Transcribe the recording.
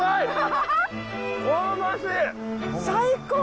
最高！